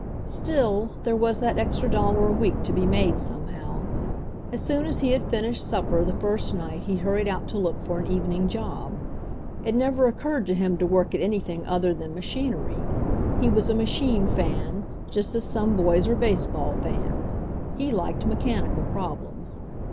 Still, there was that extra dollar a week to be made somehow. As soon as he had finished sup per the first night he hurried out to look for an evening job. It never occurred to him to work at anything other thanr machinery. He was a machine "fan," just as some boys are baseball fans; he liked mechanical problems.